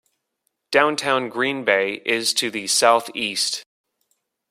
Downtown Green Bay is to the southeast.